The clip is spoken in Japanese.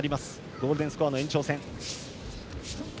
ゴールデンスコアの延長戦。